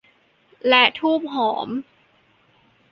และธูปหอม